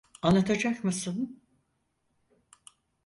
Anlatacak mısın?